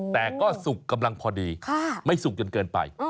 แต่ก็สุกกำลังพอดีไม่สุกจนเกินไป